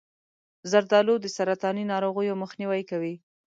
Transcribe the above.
زردآلو د سرطاني ناروغیو مخنیوی کوي.